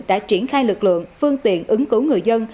đã triển khai lực lượng phương tiện ứng cứu người dân